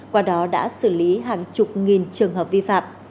qua đó đã xử lý hàng chục nghìn trường hợp vi phạm